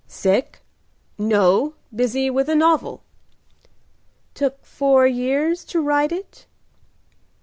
"Sick?" "No, busy with a novel." "Took four years to write it?"